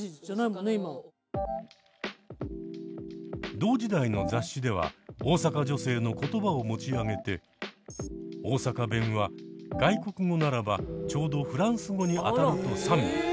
同時代の雑誌では大阪女性の言葉を持ち上げて「大阪弁は外国語ならば丁度フランス語にあたる」と賛美。